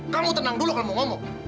kamu tenang dulu kalau mau ngomong